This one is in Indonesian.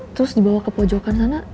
terus dibawa ke pojokan sana